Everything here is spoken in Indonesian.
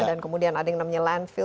dan kemudian ada yang namanya landfill